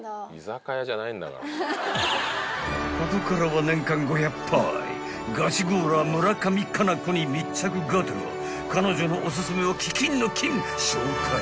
［ここからは年間５００杯ガチゴーラー村上佳菜子に密着がてら彼女のおすすめをキキンのキン！紹介］